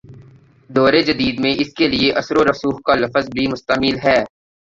دور جدید میں اس کے لیے" اثرورسوخ کا لفظ بھی مستعمل ہے۔